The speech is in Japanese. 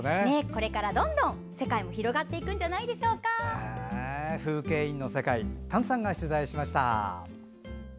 これからどんどん世界も広がっていくんじゃ風景印の世界丹さんが取材しました。